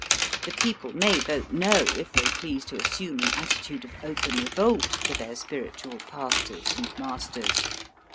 The people may vote *'no" if they please to assume an attitude of open revolt to their spiritual pastors and masters.